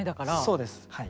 そうですはい。